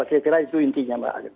saya kira itu intinya mbak